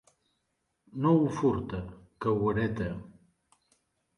No ho furta, que ho hereta.